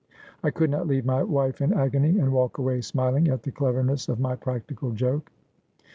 I could not leave my wife in agony, and walk away smiling at the cleverness of my practical joke.